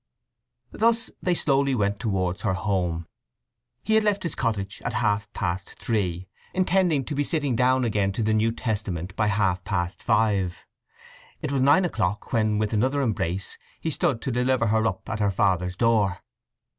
Thus they slowly went towards her home. He had left his cottage at half past three, intending to be sitting down again to the New Testament by half past five. It was nine o'clock when, with another embrace, he stood to deliver her up at her father's door.